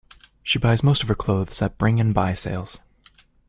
She buys most of her clothes at Bring and Buy sales